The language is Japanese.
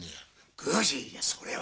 宮司いやそれは！